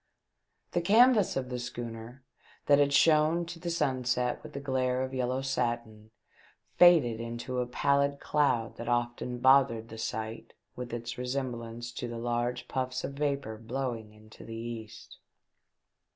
The canvas of the schooner, that had shone to the sunset with the glare of yellow satin, faded into a pallid cloud that often bothered the sight with its resemblance to the large puffs of vapour blowing into the east.